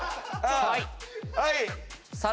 はい。